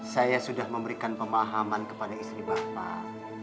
saya sudah memberikan pemahaman kepada istri bapak